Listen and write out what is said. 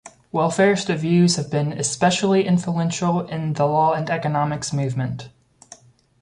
"Welfarist" views have been especially influential in the law and economics movement.